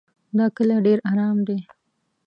دا کلی ډېر ارام دی.